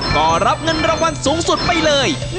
ก็รับเงินรางวัลสูงสุดไปเลย